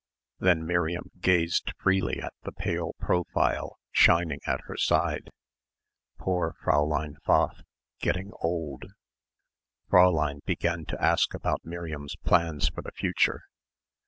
Then Miriam gazed freely at the pale profile shining at her side. Poor Fräulein Pfaff, getting old. Fräulein began to ask about Miriam's plans for the future.